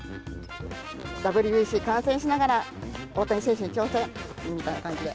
ＷＢＣ観戦しながら、大谷選手に挑戦、みたいな感じで。